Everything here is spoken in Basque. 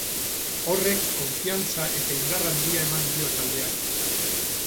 Horrek konfiantza eta indar handia eman dio taldeari.